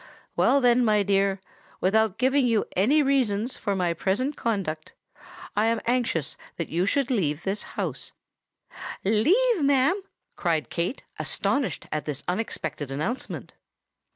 "Well, then, my dear—without giving you any reasons for my present conduct—I am anxious that you should leave this house——" "Leave, ma'am?" cried Kate, astonished at this unexpected announcement.